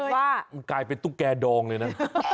ว่ามันกลายเป็นตุ๊กแก่ดองเลยนะ